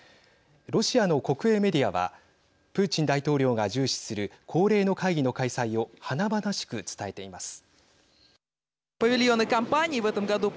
ロシアの国営メディアはプーチン大統領が重視する恒例の会議の開催を華々しく伝えています。